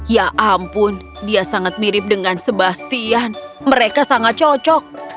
ya ampun dia sangat mirip dengan sebastian mereka sangat cocok